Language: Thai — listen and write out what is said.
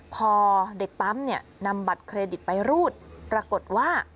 พอเด็กปั๊มนำบัตรเครดิตไปรูดปรากฏว่า